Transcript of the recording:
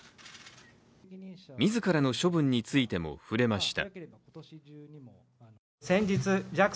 自らの処分についても触れました。